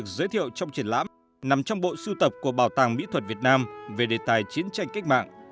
giới thiệu trong triển lãm nằm trong bộ sưu tập của bảo tàng mỹ thuật việt nam về đề tài chiến tranh cách mạng